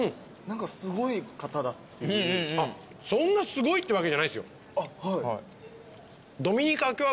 そんなすごいってわけじゃないですよ。